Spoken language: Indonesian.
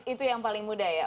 itu yang paling mudah ya